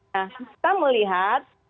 nah kita melihat